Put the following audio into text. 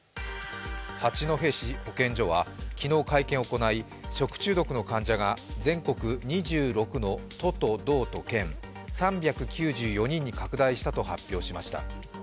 八戸市保健所は昨日、会見を行い、食中毒の患者が全国２６の都と道と県３９４人に拡大したと発表しました。